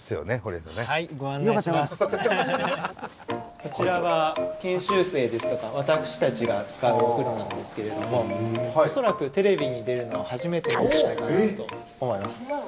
こちらは研修生ですとか私たちが使うお風呂なんですけれどもおそらくテレビに出るのは初めてだと思います。